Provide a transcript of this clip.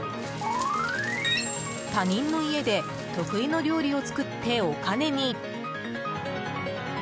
他人の家で得意の料理を作ってお金に。